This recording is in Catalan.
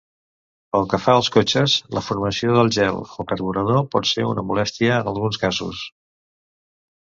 Pel que fa als cotxes, la formació del gel al carburador pot ser una molèstia en alguns casos.